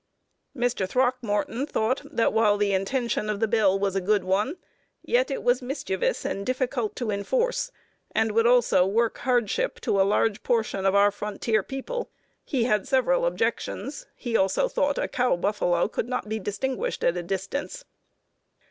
Mr. Throckmorton thought that while the intention of the bill was a good one, yet it was mischievous and difficult to enforce, and would also work hardship to a large portion of our frontier people. He had several objections. He also thought a cow buffalo could not be distinguished at a distance.